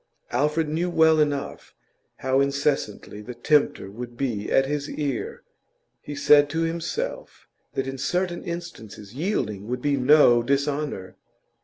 Alfred knew well enough how incessantly the tempter would be at his ear; he said to himself that in certain instances yielding would be no dishonour.